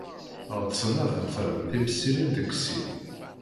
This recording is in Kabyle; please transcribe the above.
Ɣetsen ad beṭlen timsirin deg sin.